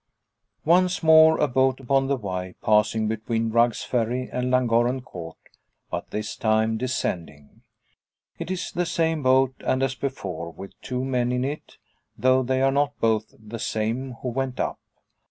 Once more a boat upon the Wye, passing between Rugg's Ferry and Llangorren Court, but this time descending. It is the same boat, and as before with two men in it; though they are not both the same who went up.